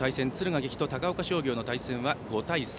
敦賀気比と高岡商業の対戦は５対３。